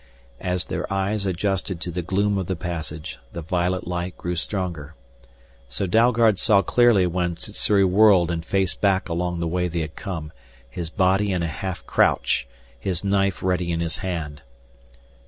As their eyes adjusted to the gloom of the passage the violet light grew stronger. So Dalgard saw clearly when Sssuri whirled and faced back along the way they had come, his body in a half crouch, his knife ready in his hand.